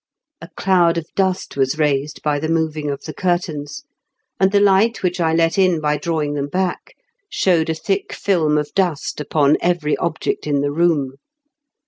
A cloud of dust was raised by the moving of the curtains, and the light which I let in by drawing them back showed a thick film of dust upon every object in the room.